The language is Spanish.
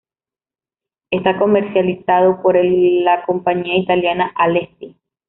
Está comercializado por la compañía italiana Alessi.